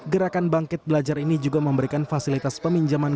gerakan bangkit belajar ini juga memberikan fasilitas peminjaman